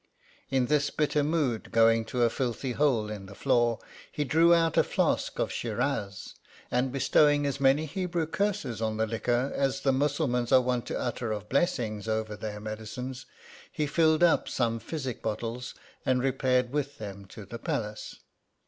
" In this bitter mood, going to a filthy hole in the floor, he drew out a flask of schiraz ; and bestowing as many Hebrew curses on the liquor as the Mussulmans are wont to utter of blessings over their medicines, he filled up some physic bottles, and repaired with them to the palace.